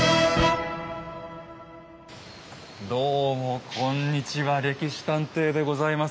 どうもこんにちは「歴史探偵」でございます。